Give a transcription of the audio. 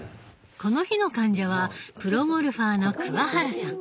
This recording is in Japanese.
この日の患者はプロゴルファーの原さん。